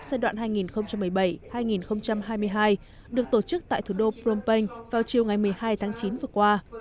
giai đoạn hai nghìn một mươi bảy hai nghìn hai mươi hai được tổ chức tại thủ đô phnom penh vào chiều ngày một mươi hai tháng chín vừa qua